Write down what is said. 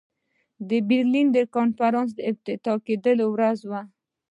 د برلین د کنفرانس د افتتاح کېدلو ورځ وه.